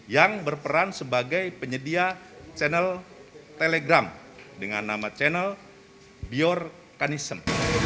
yang berperan sebagai penyedia channel telegram dengan nama channel beyorkanism